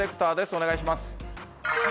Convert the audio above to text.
お願いします。